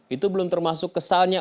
itu belum termasuk kesalnya